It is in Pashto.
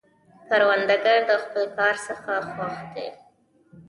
کروندګر د خپل کار څخه خوښ دی